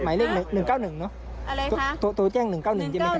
หมายเลขหนึ่งเก้าหนึ่งเนอะอะไรคะโทรแจ้งหนึ่งเก้าหนึ่งใช่ไหมครับ